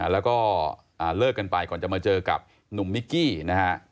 แล้วก็เลิกกันไปก่อนจะมาเจอกับหนุ่มมิกกี้นะฮะ